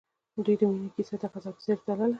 د دوی د مینې کیسه د غزل په څېر تلله.